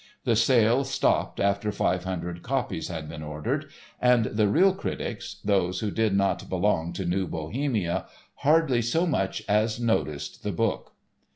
The sale stopped after five hundred copies had been ordered, and the real critics, those who did not belong to New Bohemia, hardly so much as noticed the book.